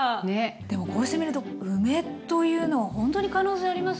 でもこうしてみると梅というのはほんとに可能性ありますね。